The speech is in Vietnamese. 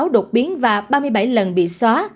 sáu mươi sáu đột biến và ba mươi bảy lần bị xóa